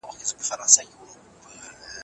ټولنیزې رسنۍ ځوانانو ته د ملاتړ سرچینه کیدای شي.